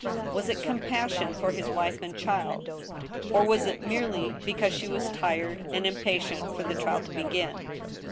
Was it com passion for his wife and child ? Or was it merely because she was tired, and impatient for the trial to begin